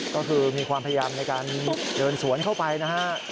ก็คือมีความพยายามในการเดินสวนเข้าไปนะฮะ